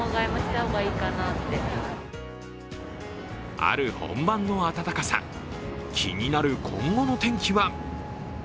春本番の暖かさ気になる今後の天気は？